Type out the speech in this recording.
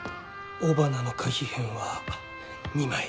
雄花の花被片は２枚。